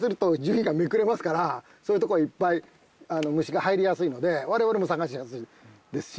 そういうとこいっぱい虫が入りやすいので我々も探しやすいですし。